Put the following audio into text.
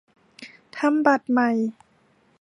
ทำบัตรใหม่